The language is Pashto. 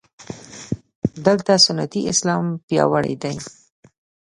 دلته سنتي اسلام پیاوړی دی.